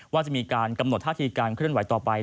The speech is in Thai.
ว่าจะมีกำหนดทาสีการเขื่อนไหวต่อไป